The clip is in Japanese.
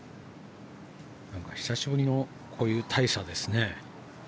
久しぶりのこういう大差ですね。